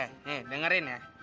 eh nih dengerin ya